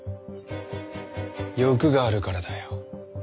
欲があるからだよ。